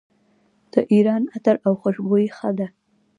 د ایران عطر او خوشبویي ښه ده.